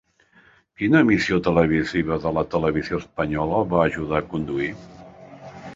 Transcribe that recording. Quina emissió televisiva de la televisió espanyola va ajudar a conduir?